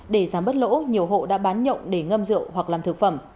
để giảm bất lỗ nhiều hộ đã bán nhộn để ngâm rượu hoặc làm thực phẩm